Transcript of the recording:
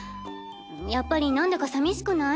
やっぱりなんだか寂しくない？